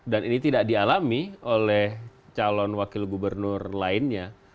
dan ini tidak dialami oleh calon wakil gubernur lainnya